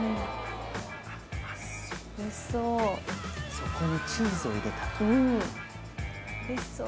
そこにチーズを入れたと。